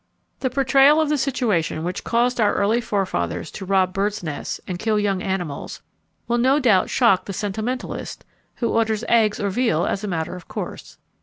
The portrayal of the situation which caused our early forefathers to rob birds' nests and kill young animals will no doubt shock the sentimentalist who orders eggs or veal as a matter of course.